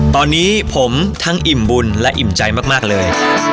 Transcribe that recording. ตอนนี้ผมทั้งอิ่มบุญและอิ่มใจมากเลย